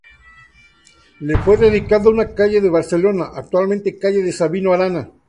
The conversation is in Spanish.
Le fue dedicada una calle de Barcelona, actualmente calle de Sabino Arana.